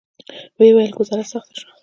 ویې ویل: ګوزاره سخته شوه.